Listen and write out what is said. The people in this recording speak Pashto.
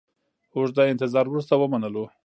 اوږده انتظار وروسته ومنلو.